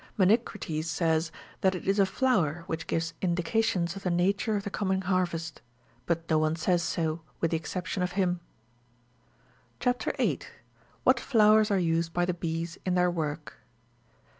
Menecrates says, that it is a flower, which gives indications of the nature of the coming harvest ; but no one says so, with the exception of him. CHAP. 8. (8.) WHAT ELOWEES AEE USED BY THE BEES IN THEIR WOBE.